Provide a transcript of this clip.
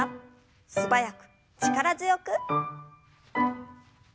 素早く力強く。